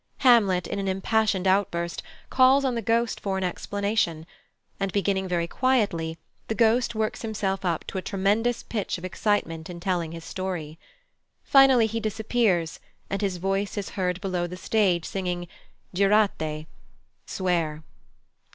Hamlet, in an impassioned outburst, calls on the Ghost for an explanation; and, beginning very quietly, the Ghost works himself up to a tremendous pitch of excitement in telling his story. Finally he disappears, and his voice is heard below the stage singing "Giurate" ("Swear").